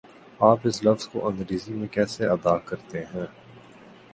آپ اس لفظ کو انگریزی میں کیسے ادا کرتےہیں؟